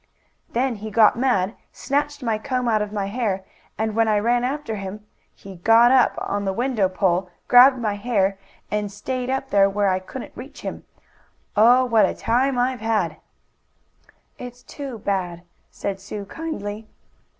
"Then he got mad, snatched my comb out of my hair, and, when I ran after him, he got up on the window pole, grabbed my hair and stayed up there where I couldn't reach him. Oh, what a time I've had!" "It's too bad," said Sue kindly.